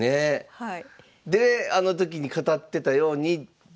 はい。